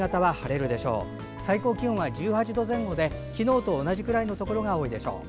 最高気温は１８度前後で昨日と同じくらいのところが多いでしょう。